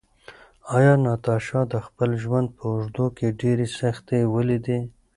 ایا ناتاشا د خپل ژوند په اوږدو کې ډېرې سختۍ ولیدلې؟